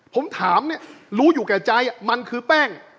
ผมถามรู้อยู่กับใจมันคือแป้ง